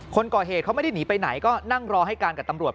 คนก่อเหตุเขาไม่ได้หนีไปไหนก็นั่งรอให้การกับตำรวจ